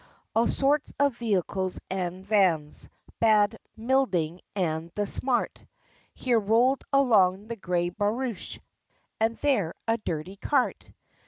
All sorts of vehicles and vans, Bad, middling, and the smart; Here rolled along the gay barouche, And there a dirty cart!